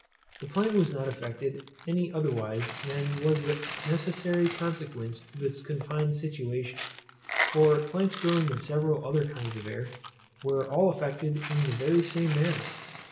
The plant was not affected any otherwise than was the necessary consequence of its confined situation; for plants growing in several other kinds of air, were all affected in the very same manner.